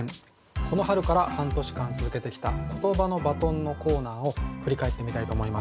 この春から半年間続けてきた「ことばのバトン」のコーナーを振り返ってみたいと思います。